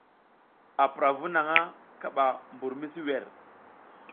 A pura vu naƞʼna kaɓa mɓur misi wer.